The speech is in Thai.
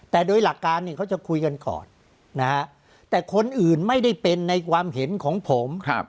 แต่โดยหลักการเนี่ยเขาจะคุยกันก่อนนะฮะแต่คนอื่นไม่ได้เป็นในความเห็นของผม